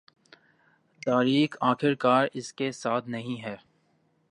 تاریخ آخرکار اس کے ساتھ نہیں ہے